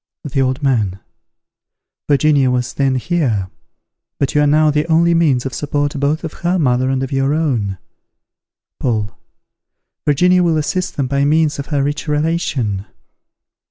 The Old Man. Virginia was then here; but you are now the only means of support both of her mother and of your own. Paul. Virginia will assist them by means of her rich relation.